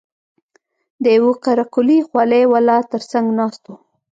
د يوه قره قلي خولۍ والا تر څنگ ناست و.